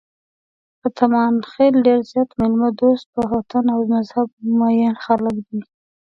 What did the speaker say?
اتمانخېل ډېر زیات میلمه دوست، په وطن او مذهب مېین خلک دي.